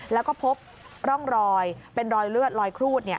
แล้วก็พบร่องรอยเป็นรอยเลือดรอยครูด